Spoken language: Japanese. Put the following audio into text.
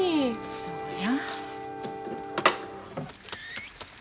そうや。